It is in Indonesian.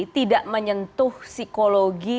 tidak menyentuh psikologi